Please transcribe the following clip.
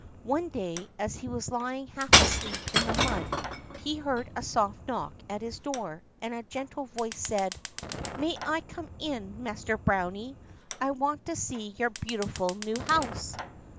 One day, as he was lying half asleep in the mud, he heard a soft knock at his door and a gentle voice said: "May I come in, Master Browny? I want to see your beautiful new house."